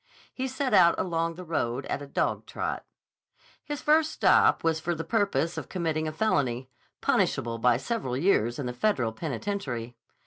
He set out along the road at a dogtrot. His first stop was for the purpose of committing a felony, punishable by several years in the Federal penitentiary.